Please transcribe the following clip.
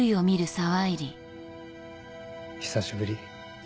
久しぶり。